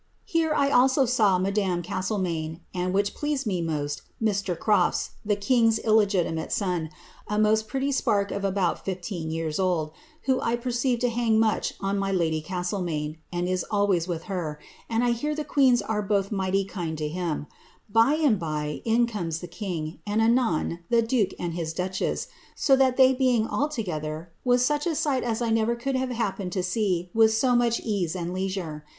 Here 1 also saw madame Castlemaine, and, which pleased me most, Mr. Crofts, the king's ^' Hist Casa Real Portuguesa, Slc. 244 CATHARINE OF BRAOAHIA. illogitimate son,' a most pretty spark of about fifteen years old, who I perceive do hang much on my lady Castlemaine, and ia always with her, and I hear the queens are both mighty kind to him. By and by in conies the king, and anon tlie duke and his duchess, so that they being all together, was such a sight as 1 never could have happened to see with so much ease and leisure.